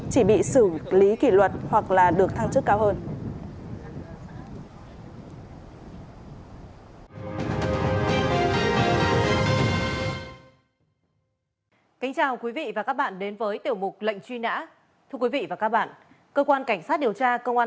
chỉ bị xử lý kỷ luật hoặc là được thăng chức cao hơn